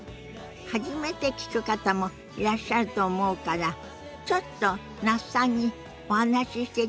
初めて聞く方もいらっしゃると思うからちょっと那須さんにお話ししていただきましょ。